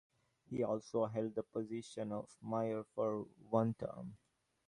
He also held the position of mayor for one term.